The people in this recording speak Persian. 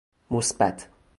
مثبت